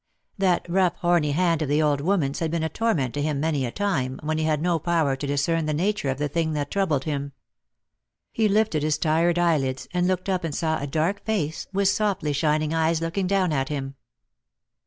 That rough horny hand of the old woman's had been a torment to him many a time, when he had no power to discern the nature of the thing that troubled him. He lifted his tired eyelids, and looked up and saw a dark face, with softly shining eyes looking down at him.